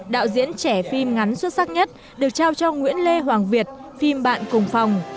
đạo diễn trẻ phim ngắn xuất sắc nhất được trao cho nguyễn lê hoàng việt phim bạn cùng phòng